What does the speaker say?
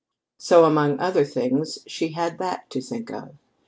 So, among other things, she had that to think of.